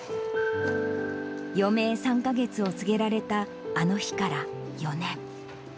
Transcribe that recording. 余命３か月を告げられたあの日から４年。